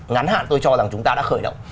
ngắn hạn tôi cho rằng chúng ta đã khởi động